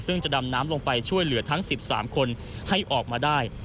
ซึ่งจะดำน้ำลงไปช่วยเหลือทั้ง๑๓คนให้ออกมาได้